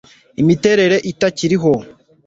Imiterere itakiriho